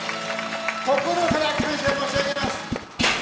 心から感謝申し上げます。